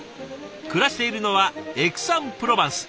暮らしているのはエクサン・プロバンス。